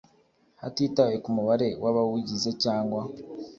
hatitawe ku mubare w abawugize cyangwa